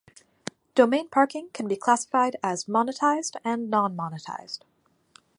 Domain parking can be classified as monetized and non-monetized.